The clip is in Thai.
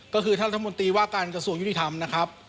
ก็คือท่านรัฐมนตรีว่าการกระทรวงยุติธรรมนะครับ